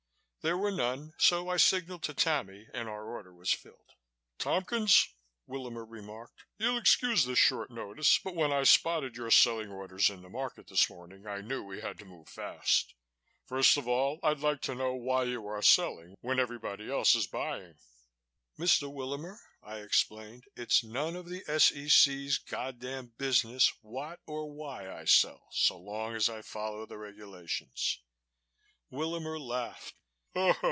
There were none, so I signaled to Tammy and our order was filled. "Tompkins," Willamer remarked. "You'll excuse this short notice but when I spotted your selling orders in the market this morning I knew we had to move fast. First of all, I'd like to know why you are selling, when everybody else is buying." "Mr. Willamer," I explained, "it's none of the S.E.C.'s goddamned business what or why I sell so long as I follow the regulations." Willamer laughed.